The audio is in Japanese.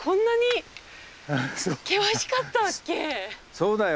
そうだよ。